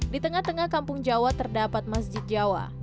di tengah tengah kampung jawa terdapat masjid jawa